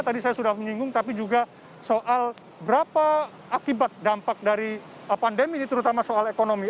tadi saya sudah menyinggung tapi juga soal berapa akibat dampak dari pandemi ini terutama soal ekonomi